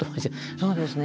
そうですね。